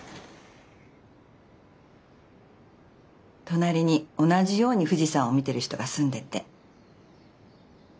隣に同じように富士山を見てる人が住んでて。